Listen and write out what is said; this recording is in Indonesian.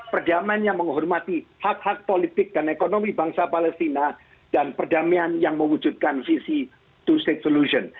perdamaian yang menghormati hak hak politik dan ekonomi bangsa palestina dan perdamaian yang mewujudkan visi two state solution